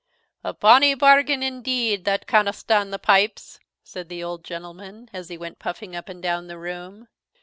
"A bonny bargain, indeed, that canna stand the pipes," said the old gentleman, as he went puffing up and down the room.